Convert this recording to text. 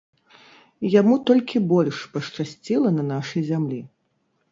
Яму толькі больш пашчасціла на нашай зямлі.